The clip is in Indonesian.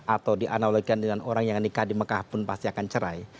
atau dianalogikan dengan orang yang nikah di mekah pun pasti akan cerai